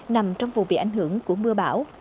nằm trong vùng bị ảnh hưởng của mưa bão